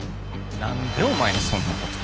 何でお前にそんなこと。